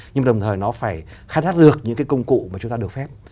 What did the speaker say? nhưng đồng thời nó phải khai thác được những cái công cụ mà chúng ta được phép